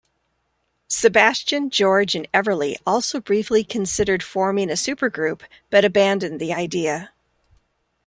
Sebastian, George and Everly also briefly considered forming a supergroup but abandoned the idea.